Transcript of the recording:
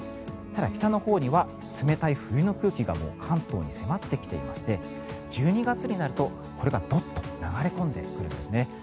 ただ、北のほうには冷たい冬の空気が関東に迫ってきていまして１２月になるとこれがドッと流れ込んでくるんですね。